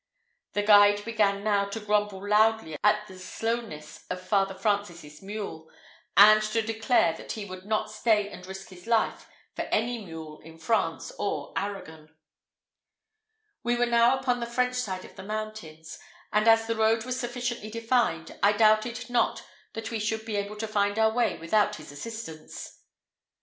The guide began now to grumble loudly at the slowness of Father Francis's mule, and to declare that he would not stay and risk his life for any mule in France or Arragon. We were now upon the French side of the mountains, and, as the road was sufficiently defined, I doubted not that we should be able to find our way without his assistance.